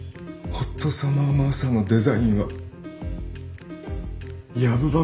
「ホットサマー・マーサ」のデザインはッ！